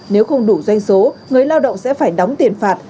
nếu không đủ doanh số người lao động sẽ phải đóng tiền phạt